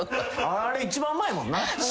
あれ一番うまいもんな。